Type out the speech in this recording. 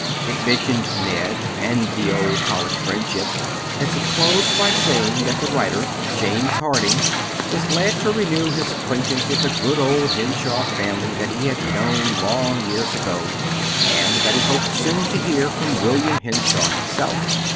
It mentioned Ned, and the old college friendship, and it closed by saying that the writer, James Harding, was glad to renew his acquaintance with the good old Henshaw family that he had known long years ago; and that he hoped soon to hear from William Henshaw himself.